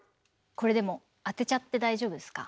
これでも当てちゃって大丈夫ですか？